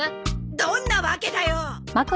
どんなわけだよ！